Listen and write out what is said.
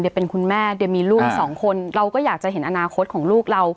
เดี๋ยวเป็นคุณแม่เดี๋ยวมีลูกสองคนเราก็อยากจะเห็นอนาคตของลูกเรา